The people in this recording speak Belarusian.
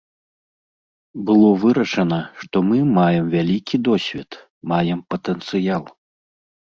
Было вырашана, што мы маем вялікі досвед, маем патэнцыял.